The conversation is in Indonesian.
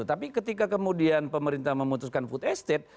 tapi ketika kemudian pemerintah memutuskan food estate